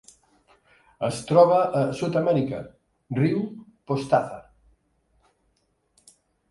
Es troba a Sud-amèrica: riu Pastaza.